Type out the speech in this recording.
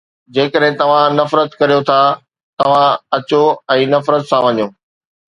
جيڪڏھن توھان نفرت ڪريو ٿا، توھان اچو ۽ نفرت سان وڃو